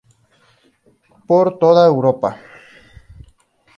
Por toda Europa.